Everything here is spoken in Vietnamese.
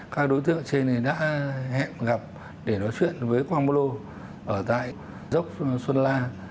các đối tượng trên đã hẹn gặp để nói chuyện với quang mô lô lô ở tại dốc xuân la